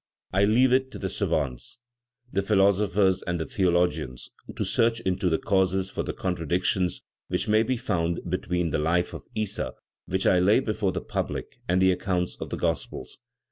I leave it to the savans, the philosophers and the theologians to search into the causes for the contradictions which may be found between the "Life of Issa" which I lay before the public and the accounts of the Gospels.